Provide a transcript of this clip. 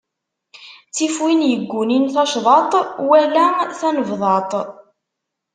Ttif win iggunin tacḍaḍt, wala tanebḍaḍt.